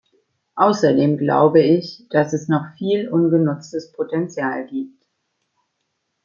Außerdem glaube ich, dass es noch viel ungenutztes Potenzial gibt.